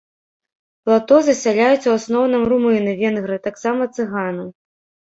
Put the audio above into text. Плато засяляюць у асноўным румыны, венгры, таксама цыганы.